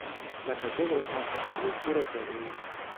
La katedro havas tri kuratorojn.